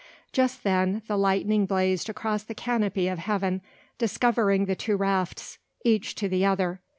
Just then the lightning blazed across the canopy of heaven, discovering the two rafts, each to the other.